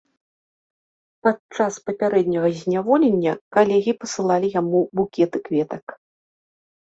Падчас папярэдняга зняволення калегі пасылалі яму букеты кветак.